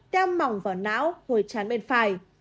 đeo mỏng vào não hồi chán bên phải